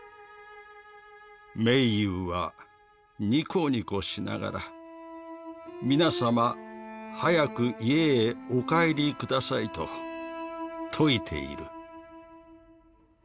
「明勇はニコニコしながら『皆様早く家へお帰り下さい』と説いている」。